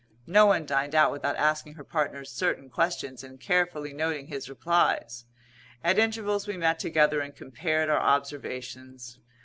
No one dined out without asking her partner certain questions and carefully noting his replies. At intervals we met together and compared our observations.